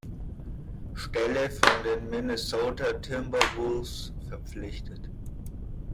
Stelle von den Minnesota Timberwolves verpflichtet.